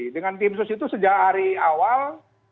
dengan tim sus itu sejak hari awal